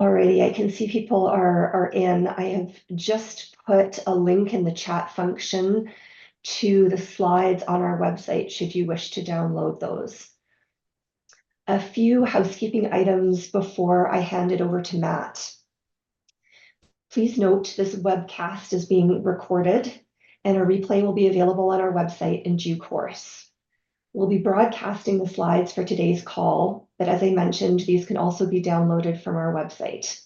All righty, I can see people are in. I have just put a link in the chat function to the slides on our website, should you wish to download those. A few housekeeping items before I hand it over to Matt. Please note this webcast is being recorded, and a replay will be available on our website in due course. We'll be broadcasting the slides for today's call, but as I mentioned, these can also be downloaded from our website.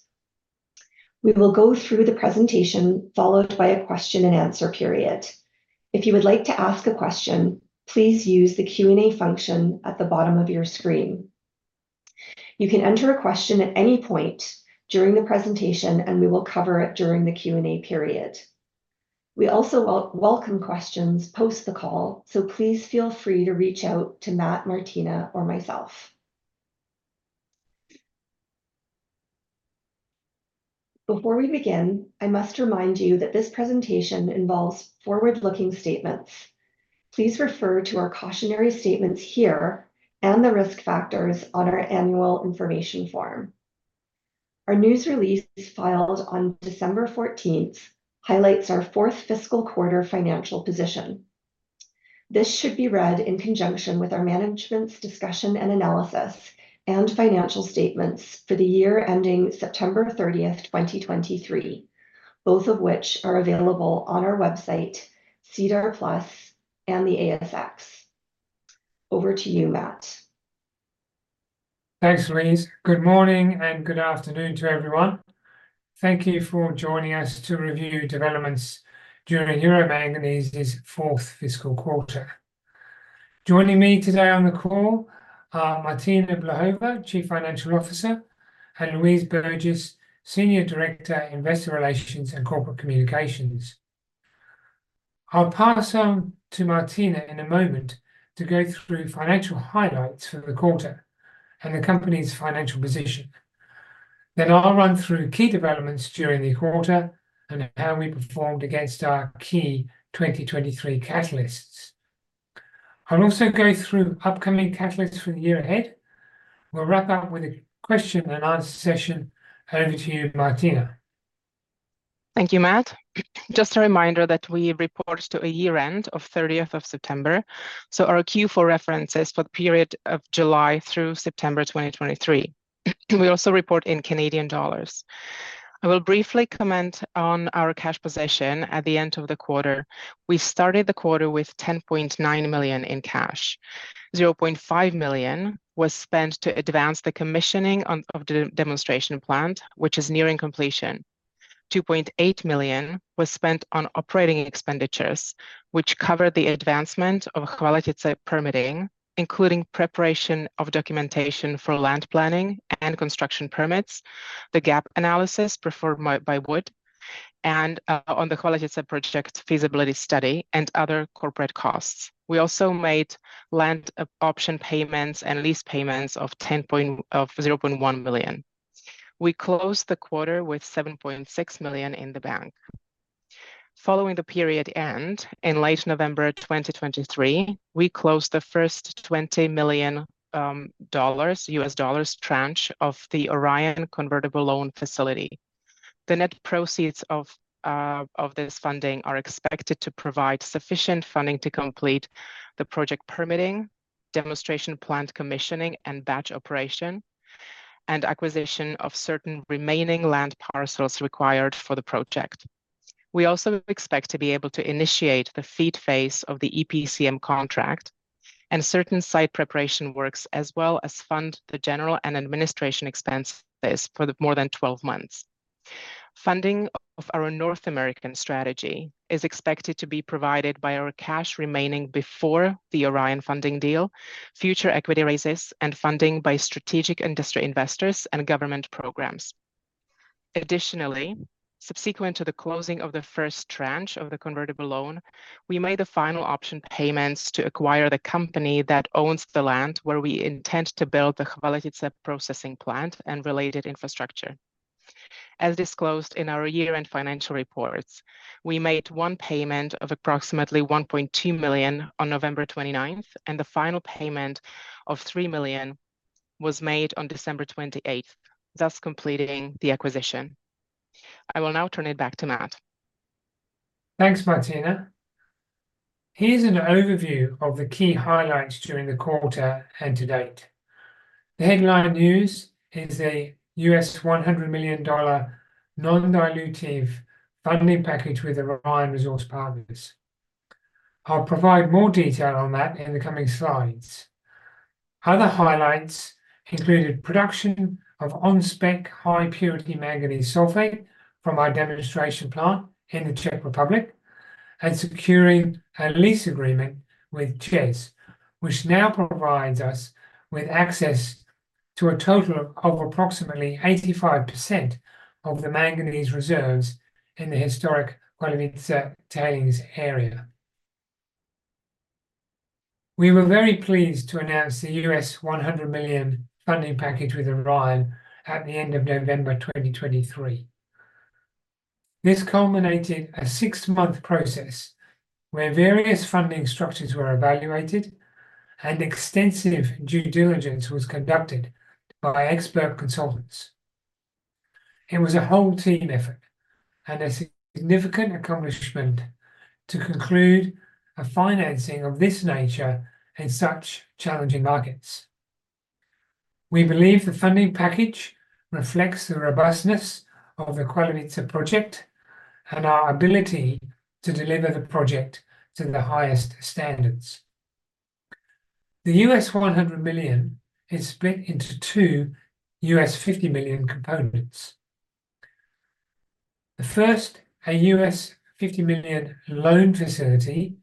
We will go through the presentation, followed by a question and answer period. If you would like to ask a question, please use the Q&A function at the bottom of your screen. You can enter a question at any point during the presentation, and we will cover it during the Q&A period. We also welcome questions post the call, so please feel free to reach out to Matt, Martina, or myself. Before we begin, I must remind you that this presentation involves forward-looking statements. Please refer to our cautionary statements here and the risk factors on our annual information form. Our news release, filed on December 14th, highlights our fourth fiscal quarter financial position. This should be read in conjunction with our management's discussion and analysis and financial statements for the year ending September 30th, 2023, both of which are available on our website, SEDAR+, and the ASX. Over to you, Matt. Thanks, Louise. Good morning and good afternoon to everyone. Thank you for joining us to review developments during Euro Manganese's fourth fiscal quarter. Joining me today on the call are Martina Blahova, Chief Financial Officer, and Louise Burgess, Senior Director, Investor Relations and Corporate Communications. I'll pass on to Martina in a moment to go through financial highlights for the quarter and the company's financial position. Then I'll run through key developments during the quarter and how we performed against our key 2023 catalysts. I'll also go through upcoming catalysts for the year ahead. We'll wrap up with a question and answer session. Over to you, Martina. Thank you, Matt. Just a reminder that we report to a year-end of thirtieth September, so our Q4 reference is for the period of July through September 2023. We also report in Canadian dollars. I will briefly comment on our cash position at the end of the quarter. We started the quarter with 10.9 million in cash. 0.5 million was spent to advance the commissioning of thedemonstration plant, which is nearing completion. 2.8 million was spent on operating expenditures, which covered the advancement of Chvaletice permitting, including preparation of documentation for land planning and construction permits, the gap analysis performed by Wood, and on the Chvaletice project feasibility study and other corporate costs. We also made land option payments and lease payments of 0.1 million. We closed the quarter with 7.6 million in the bank. Following the period end, in late November 2023, we closed the first $20 million tranche of the Orion convertible loan facility. The net proceeds of this funding are expected to provide sufficient funding to complete the project permitting, demonstration plant commissioning and batch operation, and acquisition of certain remaining land parcels required for the project. We also expect to be able to initiate the FEED phase of the EPCM contract and certain site preparation works, as well as fund the general and administration expenses for the more than 12 months. Funding of our North American strategy is expected to be provided by our cash remaining before the Orion funding deal, future equity raises, and funding by strategic industry investors and government programs. Additionally, subsequent to the closing of the first tranche of the convertible loan, we made the final option payments to acquire the company that owns the land, where we intend to build the Chvaletice processing plant and related infrastructure. As disclosed in our year-end financial reports, we made one payment of approximately 1.2 million on November 29th, and the final payment of 3 million was made on December 28th, thus completing the acquisition. I will now turn it back to Matt. Thanks, Martina. Here's an overview of the key highlights during the quarter and to date. The headline news is a $100 million non-dilutive funding package with Orion Resource Partners. I'll provide more detail on that in the coming slides. Other highlights included production of on-spec, high-purity manganese sulfate from our demonstration plant in the Czech Republic, and securing a lease agreement with CEZ, which now provides us with access to a total of approximately 85% of the manganese reserves in the historic Chvaletice tailings area. We were very pleased to announce the $100 million funding package with Orion at the end of November 2023. This culminated a six-month process where various funding structures were evaluated and extensive due diligence was conducted by expert consultants. It was a whole team effort and a significant accomplishment to conclude a financing of this nature in such challenging markets. We believe the funding package reflects the robustness of the Chvaletice project and our ability to deliver the project to the highest standards. The $100 million is split into two $50 million components. The first, a $50 million loan facility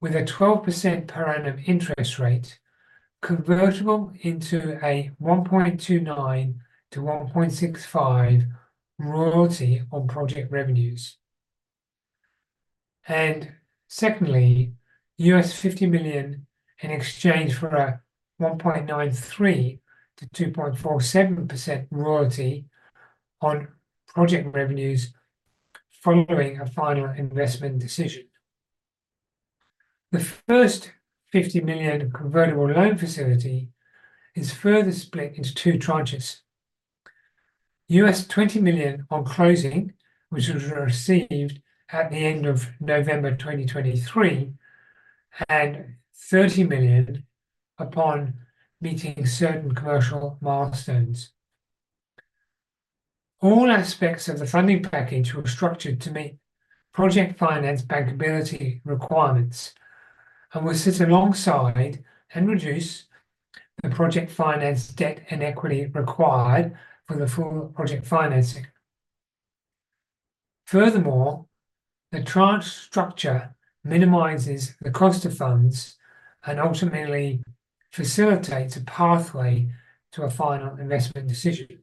with a 12% per annum interest rate, convertible into a 1.29-1.65 royalty on project revenues. Secondly, $50 million in exchange for a 1.93%-2.47% royalty on project revenues following a final investment decision. The first $50 million convertible loan facility is further split into two tranches. $20 million on closing, which was received at the end of November 2023, and $30 million upon meeting certain commercial milestones. All aspects of the funding package were structured to meet project finance bankability requirements, and will sit alongside and reduce the project finance, debt, and equity required for the full project financing. Furthermore, the tranche structure minimizes the cost of funds and ultimately facilitates a pathway to a final investment decision.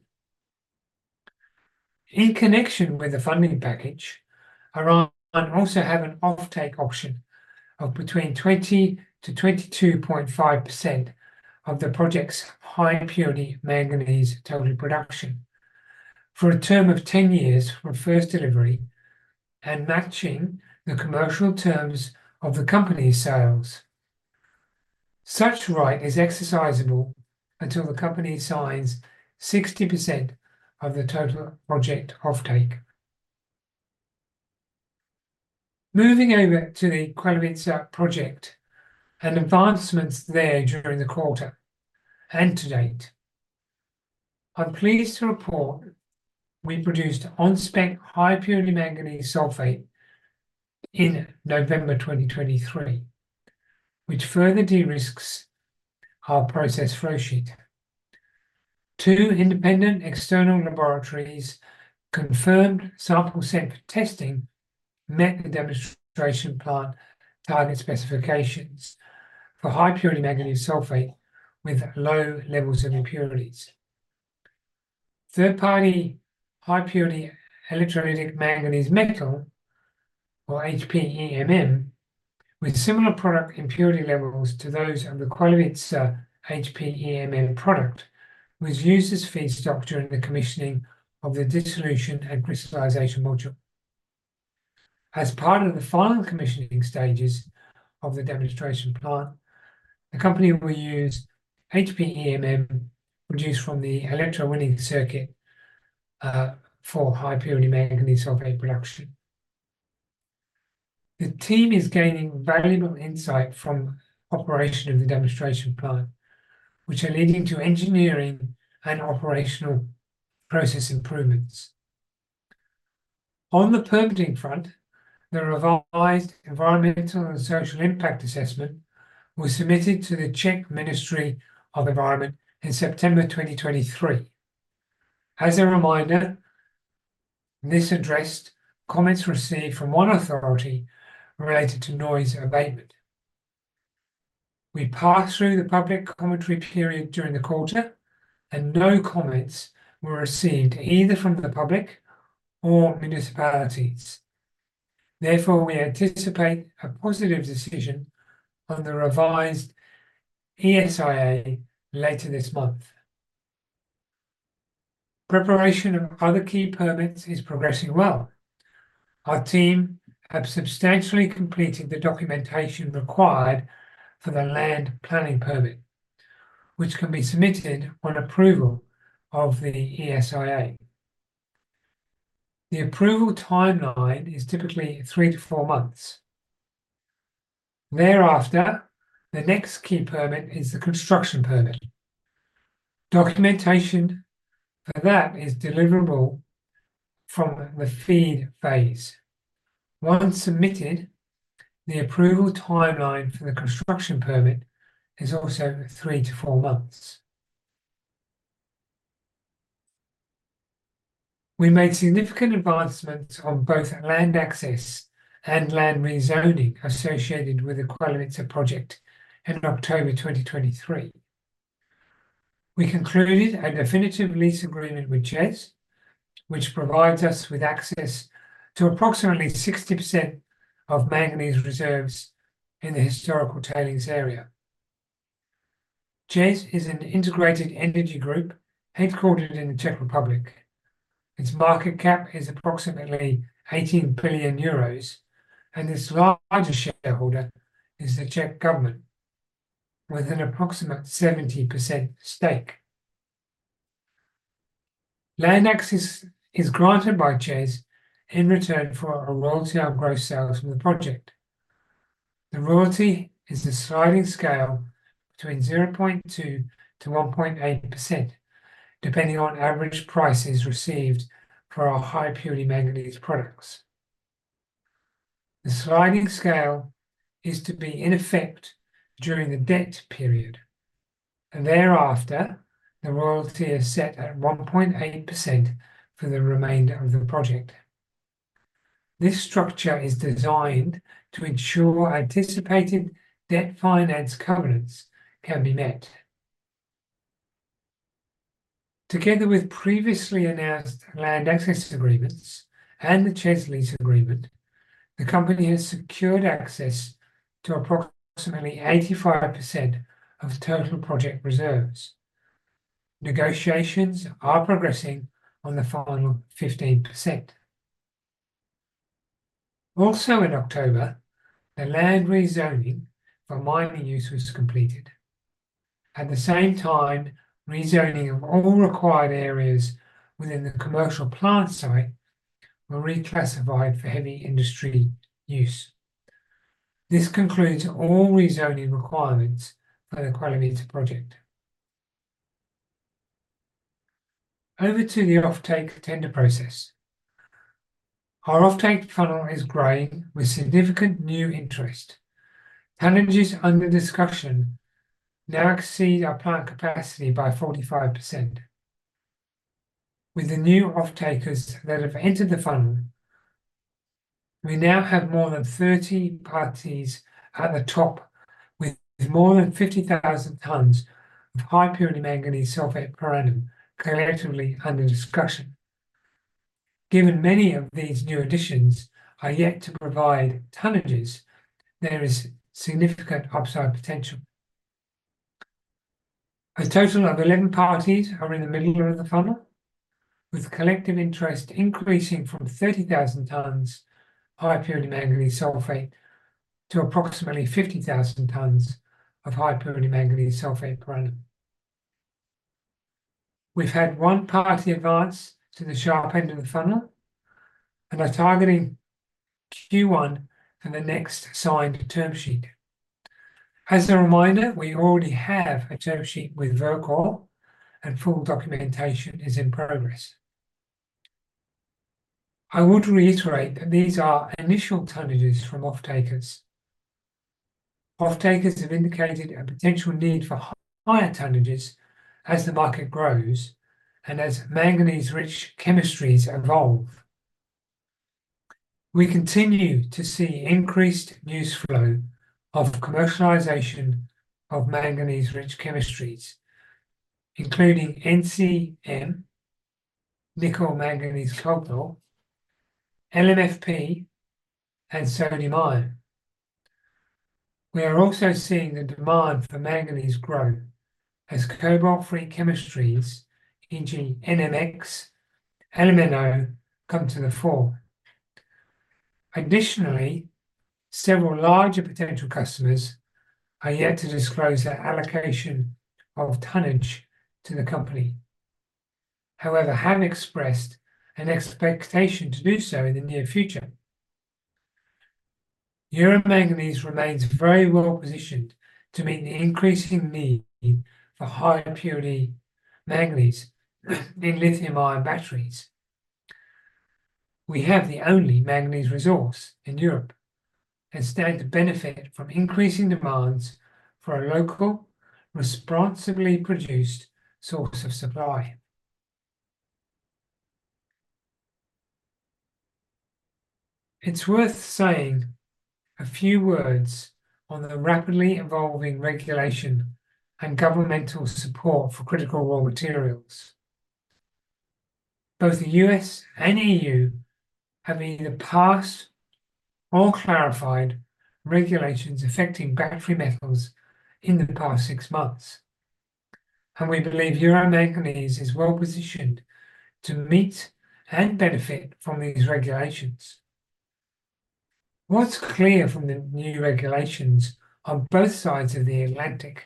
In connection with the funding package, Orion also have an offtake option of between 20%-22.5% of the project's high-purity manganese total production, for a term of 10 years from first delivery and matching the commercial terms of the company's sales. Such right is exercisable until the company signs 60% of the total project offtake. Moving over to the Chvaletice project and advancements there during the quarter and to date, I'm pleased to report we produced on-spec high-purity manganese sulfate in November 2023, which further de-risks our process flow sheet. Two independent external laboratories confirmed sample sent for testing, met the demonstration plant target specifications for high-purity manganese sulfate with low levels of impurities. Third-party high-purity electrolytic manganese metal, or HPEMM, with similar product impurity levels to those of the Chvaletice HPEMM product, was used as feedstock during the commissioning of the dissolution and crystallization module. As part of the final commissioning stages of the demonstration plant, the company will use HPEMM produced from the electrowinning circuit, for high-purity manganese sulfate production. The team is gaining valuable insight from operation of the demonstration plant, which are leading to engineering and operational process improvements. On the permitting front, the revised environmental and social impact assessment was submitted to the Czech Ministry of Environment in September 2023. As a reminder, this addressed comments received from one authority related to noise abatement. We passed through the public commentary period during the quarter, and no comments were received, either from the public or municipalities. Therefore, we anticipate a positive decision on the revised ESIA later this month. Preparation of other key permits is progressing well. Our team have substantially completed the documentation required for the land planning permit, which can be submitted on approval of the ESIA. The approval timeline is typically 3-4 months. Thereafter, the next key permit is the construction permit. Documentation for that is deliverable from the FEED phase. Once submitted, the approval timeline for the construction permit is also 3-4 months. We made significant advancements on both land access and land rezoning associated with the Chvaletice project in October 2023. We concluded a definitive lease agreement with CEZ, which provides us with access to approximately 60% of manganese reserves in the historical tailings area. CEZ is an integrated energy group headquartered in the Czech Republic. Its market cap is approximately 18 billion euros, and its largest shareholder is the Czech government, with an approximate 70% stake. Land access is granted by CEZ in return for a royalty on gross sales from the project. The royalty is a sliding scale between 0.2%-1.8%, depending on average prices received for our high-purity manganese products. The sliding scale is to be in effect during the debt period, and thereafter, the royalty is set at 1.8% for the remainder of the project. This structure is designed to ensure anticipated debt finance covenants can be met. Together with previously announced land access agreements and the CEZ lease agreement, the company has secured access to approximately 85% of total project reserves. Negotiations are progressing on the final 15%. Also in October, the land rezoning for mining use was completed. At the same time, rezoning of all required areas within the commercial plant site were reclassified for heavy industry use. This concludes all rezoning requirements for the Chvaletice project. Over to the offtake tender process. Our offtake funnel is growing with significant new interest. Tonnages under discussion now exceed our plant capacity by 45%. With the new offtakers that have entered the funnel, we now have more than 30 parties at the top, with more than 50,000 tons of high-purity manganese sulfate per annum, collectively under discussion. Given many of these new additions are yet to provide tonnages, there is significant upside potential. A total of 11 parties are in the middle of the funnel, with collective interest increasing from 30,000 tons high-purity manganese sulfate to approximately 50,000 tons of high-purity manganese sulfate per annum. We've had one party advance to the sharp end of the funnel and are targeting Q1 for the next signed term sheet. As a reminder, we already have a term sheet with Verkor, and full documentation is in progress. I would reiterate that these are initial tonnages from offtakers. Offtakers have indicated a potential need for higher tonnages as the market grows and as manganese-rich chemistries evolve. We continue to see increased news flow of commercialization of manganese-rich chemistries, including NCM, nickel cobalt manganese, LMFP, and sodium-ion. We are also seeing the demand for manganese grow as cobalt-free chemistries, including NMX, LMNO, come to the fore. Additionally, several larger potential customers are yet to disclose their allocation of tonnage to the company, however, have expressed an expectation to do so in the near future. Euro Manganese remains very well-positioned to meet the increasing need for high-purity manganese in lithium-ion batteries. We have the only manganese resource in Europe and stand to benefit from increasing demands for a local, responsibly produced source of supply. It's worth saying a few words on the rapidly evolving regulation and governmental support for critical raw materials. Both the U.S. and E.U. have either passed or clarified regulations affecting battery metals in the past six months, and we believe Euro Manganese is well-positioned to meet and benefit from these regulations. What's clear from the new regulations on both sides of the Atlantic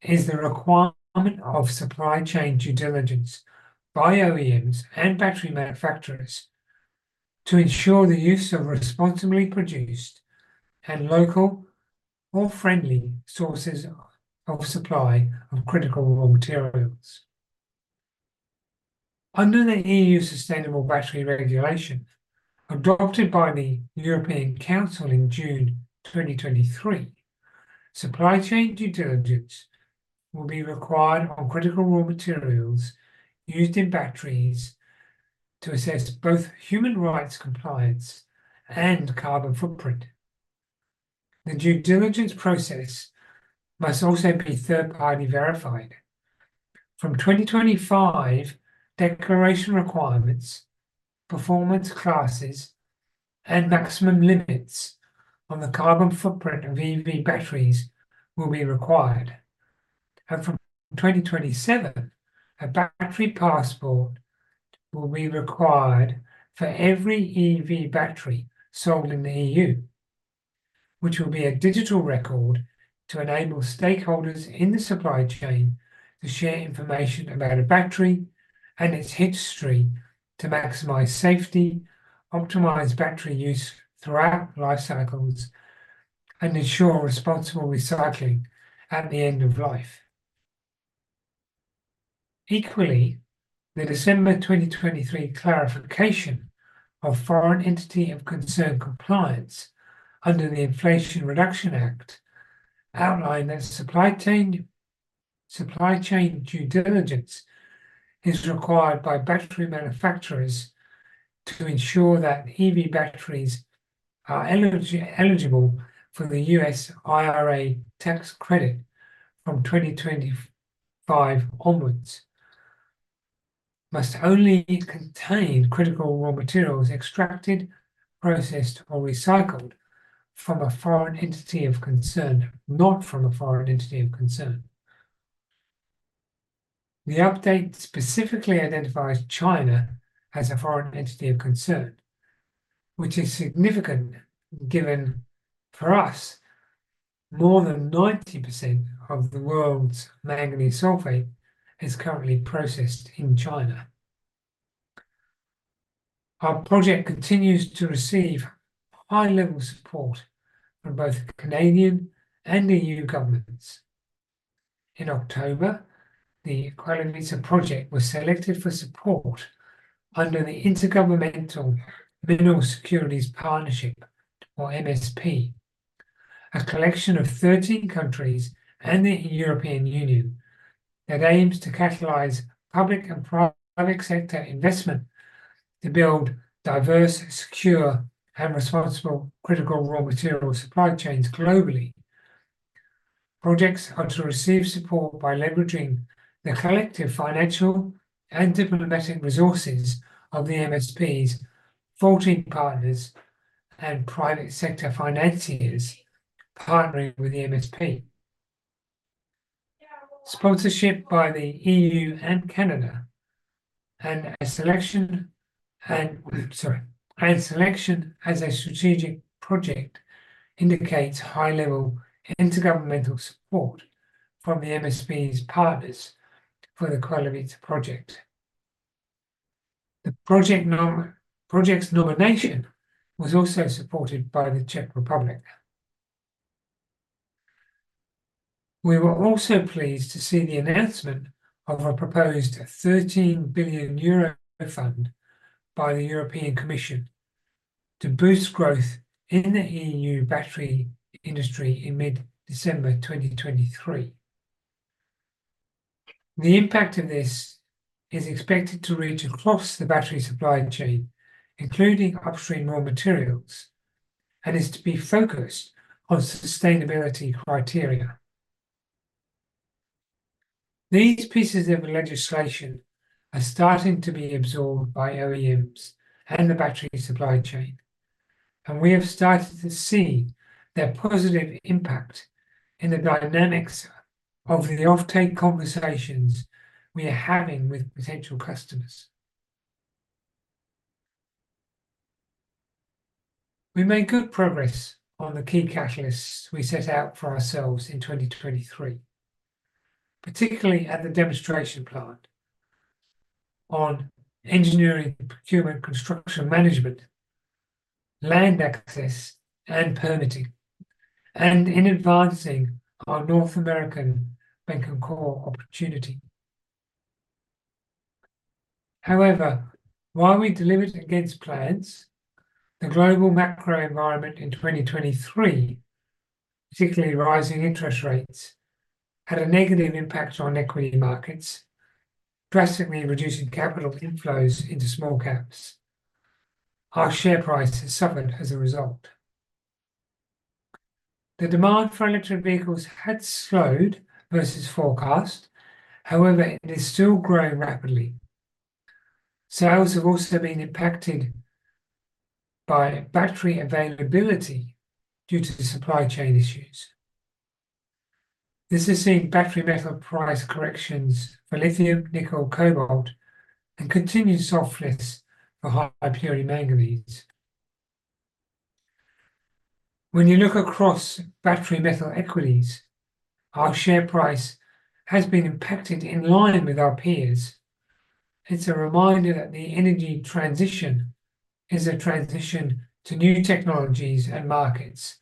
is the requirement of supply chain due diligence by OEMs and battery manufacturers to ensure the use of responsibly produced and local or friendly sources of supply of critical raw materials. Under the EU Sustainable Battery Regulation, adopted by the European Council in June 2023, supply chain due diligence will be required on critical raw materials used in batteries to assess both human rights compliance and carbon footprint. The due diligence process must also be third-party verified. From 2025, declaration requirements, performance classes, and maximum limits on the carbon footprint of EV batteries will be required. From 2027, a Battery Passport will be required for every EV battery sold in the E.U., which will be a digital record to enable stakeholders in the supply chain to share information about a battery and its history to maximize safety, optimize battery use throughout life cycles, and ensure responsible recycling at the end of life. Equally, the December 2023 clarification of Foreign Entity of Concern compliance under the Inflation Reduction Act outlined that supply chain, supply chain due diligence is required by battery manufacturers to ensure that EV batteries are eligible for the U.S. IRA tax credit from 2025 onwards, must only contain critical raw materials extracted, processed, or recycled from a Foreign Entity of Concern, not from a Foreign Entity of Concern. The update specifically identifies China as a Foreign Entity of Concern, which is significant, given, for us, more than 90% of the world's manganese sulfate is currently processed in China. Our project continues to receive high-level support from both the Canadian and the E.U. governments. In October, the Chvaletice project was selected for support under the Mineral Security Partnership, or MSP, a collection of 13 countries and the European Union that aims to catalyze public and private sector investment to build diverse, secure, and responsible critical raw material supply chains globally. Projects are to receive support by leveraging the collective financial and diplomatic resources of the MSP's 14 partners and private sector financiers partnering with the MSP. Sponsorship by the EU and Canada, and a selection as a strategic project indicates high-level intergovernmental support from the MSP's partners for the Chvaletice project. The project's nomination was also supported by the Czech Republic. We were also pleased to see the announcement of a proposed 13 billion euro fund by the European Commission to boost growth in the EU battery industry in mid-December 2023. The impact of this is expected to reach across the battery supply chain, including upstream raw materials, and is to be focused on sustainability criteria. These pieces of legislation are starting to be absorbed by OEMs and the battery supply chain, and we have started to see their positive impact in the dynamics of the offtake conversations we are having with potential customers. We made good progress on the key catalysts we set out for ourselves in 2023, particularly at the demonstration plant on engineering, procurement, construction management, land access, and permitting, and in advancing our North American Bécancour opportunity. However, while we delivered against plans, the global macro environment in 2023, particularly rising interest rates, had a negative impact on equity markets, drastically reducing capital inflows into small caps. Our share price has suffered as a result. The demand for electric vehicles had slowed versus forecast. However, it is still growing rapidly. Sales have also been impacted by battery availability due to the supply chain issues. This is seeing battery metal price corrections for lithium, nickel, cobalt, and continued softness for high-purity manganese. When you look across battery metal equities, our share price has been impacted in line with our peers. It's a reminder that the energy transition is a transition to new technologies and markets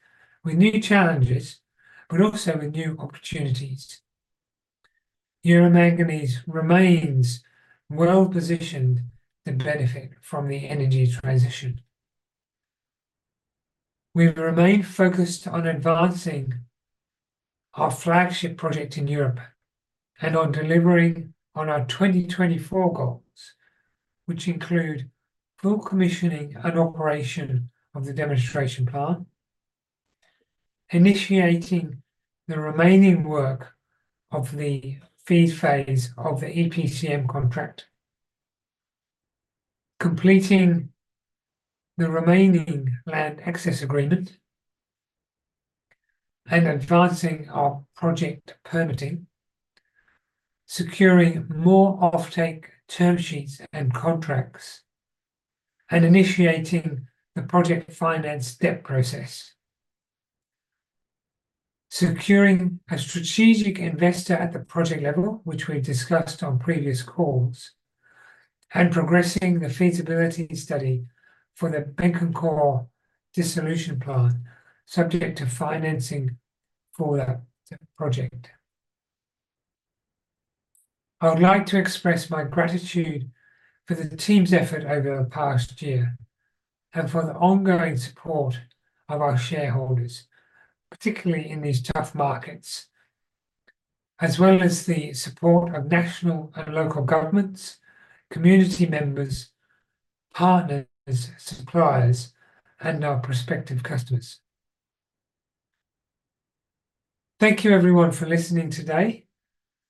with new challenges, but also with new opportunities. Euro Manganese remains well-positioned to benefit from the energy transition. We've remained focused on advancing our flagship project in Europe and on delivering on our 2024 goals, which include full commissioning and operation of the demonstration plant, initiating the remaining work of the FEED phase of the EPCM contract, completing the remaining land access agreement, and advancing our project permitting, securing more offtake term sheets and contracts, and initiating the project finance debt process, securing a strategic investor at the project level, which we discussed on previous calls, and progressing the feasibility study for the Bécancour dissolution plant, subject to financing for that project. I would like to express my gratitude for the team's effort over the past year, and for the ongoing support of our shareholders, particularly in these tough markets, as well as the support of national and local governments, community members, partners, suppliers, and our prospective customers. Thank you everyone for listening today.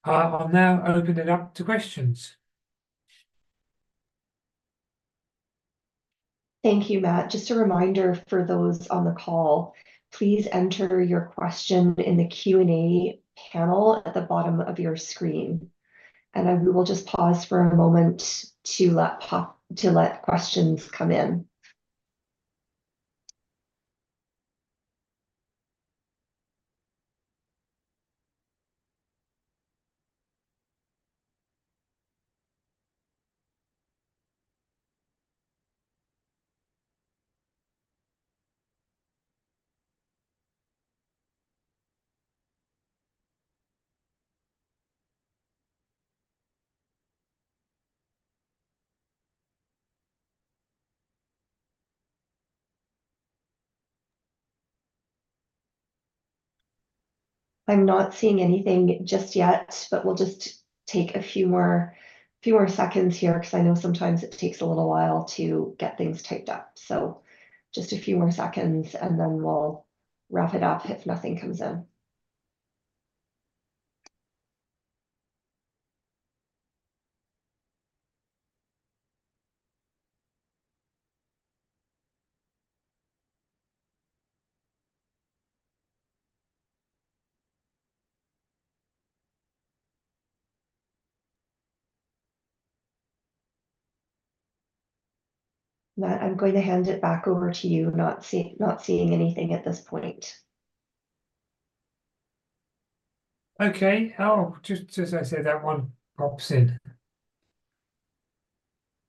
I'll now open it up to questions. Thank you, Matt. Just a reminder for those on the call, please enter your question in the Q&A panel at the bottom of your screen, and then we will just pause for a moment to let questions come in. I'm not seeing anything just yet, but we'll just take a few more seconds here, 'cause I know sometimes it takes a little while to get things typed up. So just a few more seconds, and then we'll wrap it up if nothing comes in. Matt, I'm going to hand it back over to you. Not seeing anything at this point. Okay. Oh, just, just as I say that, one pops in.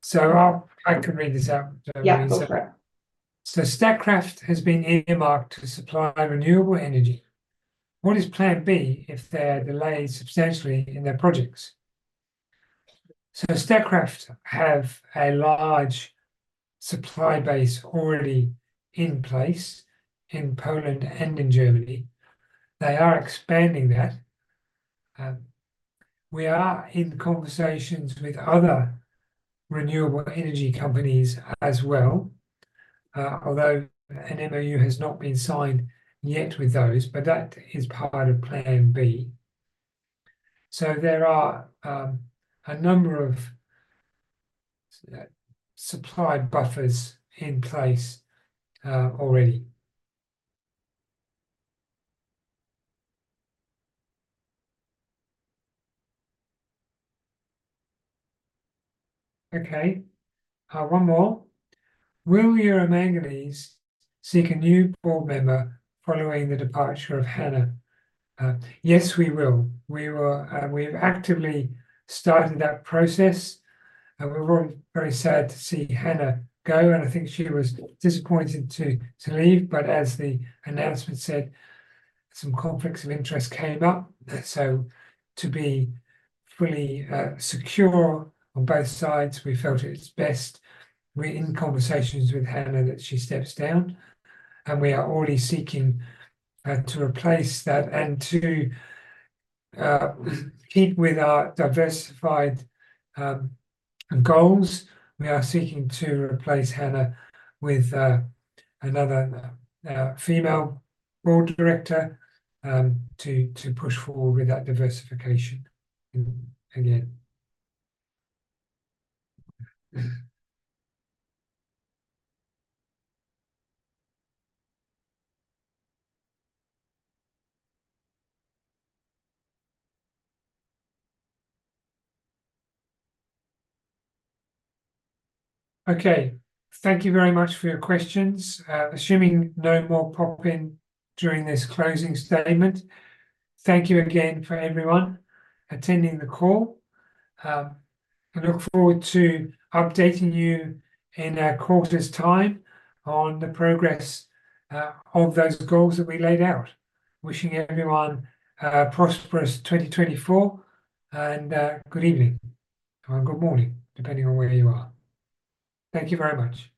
So I'll—I can read this out. Yeah, go for it. So Statkraft has been earmarked to supply renewable energy. What is plan B if they're delayed substantially in their projects? So Statkraft have a large supply base already in place in Poland and in Germany. They are expanding that, and we are in conversations with other renewable energy companies as well, although an MOU has not been signed yet with those, but that is part of plan B. So there are a number of supply buffers in place already. Okay, one more, will Euro Manganese seek a new board member following the departure of Hanna? Yes, we will. We will—we've actively started that process, and we were all very sad to see Hanna go, and I think she was disappointed to, to leave, but as the announcement said, some conflicts of interest came up. To be fully secure on both sides, we felt it's best, we're in conversations with Hanna, that she steps down, and we are already seeking to replace that. To keep with our diversified goals, we are seeking to replace Hanna with another female board director to push forward with that diversification again. Okay. Thank you very much for your questions. Assuming no more pop in during this closing statement, thank you again for everyone attending the call. I look forward to updating you in a quarter's time on the progress of those goals that we laid out. Wishing everyone a prosperous 2024, and good evening, or good morning, depending on where you are. Thank you very much.